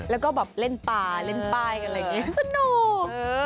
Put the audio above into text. แล้วก็แบบเล่นปลาเล่นป้ายสนุก